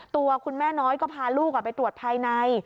ตัวคุณแม่น้อยก็พาลูกไปตรวจภายใน